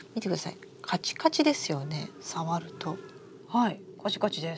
はいカチカチです。